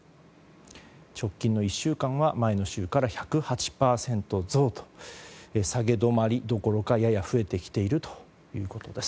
直近の１週間は前の週から１０８％増と下げ止まりどころかやや増えてきているということです。